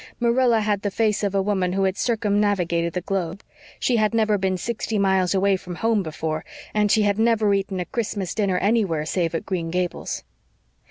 Marilla had the face of a woman who had circumnavigated the globe. She had never been sixty miles away from home before; and she had never eaten a Christmas dinner anywhere save at Green Gables.